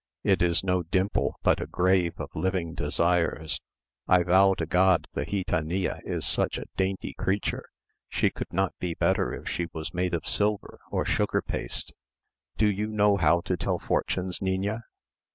It is no dimple, but a grave of living desires. I vow to God the gitanilla is such a dainty creature, she could not be better if she was made of silver or sugar paste. Do you know how to tell fortunes, niña?"